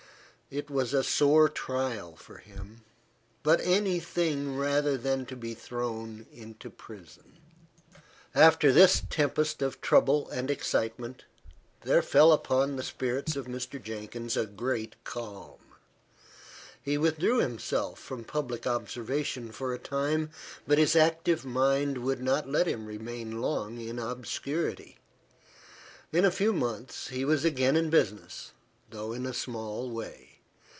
It was a sore trial for him; but any thing rather than to be thrown into prison. After this tempest of trouble and excitement, there fell upon the spirits of Mr. Jenkins a great calm. He withdrew himself from public observation for a time, but his active mind would not let him remain long in obscurity. In a few months, he was again in business, though in a small way.